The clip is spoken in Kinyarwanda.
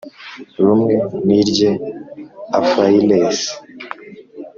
rumwe n irye Affaires